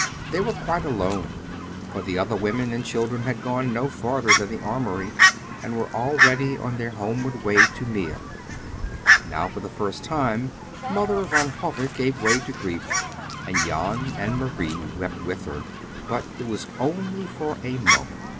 They were quite alone, for the other women and children had gone no farther than the armory, and were already on their homeward way to Meer. Now for the first time Mother Van Hove gave way to grief, and Jan and Marie wept with her; but it was only for a moment.